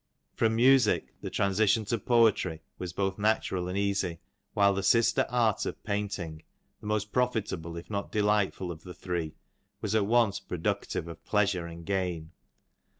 From music, the transition to poetry was both natural and easy, while the sister art of painting, the most profitable if not delightful of the three, was at once productive of pleasure and gain.